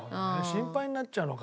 心配になっちゃうのか。